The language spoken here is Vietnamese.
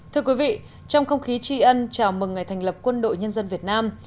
thưa quý vị trong không khí tri ân chào mừng ngày thành lập quân đội nhân dân việt nam